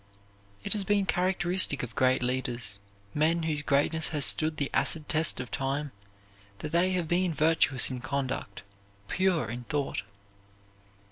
It has been characteristic of great leaders, men whose greatness has stood the acid test of time, that they have been virtuous in conduct, pure in thought.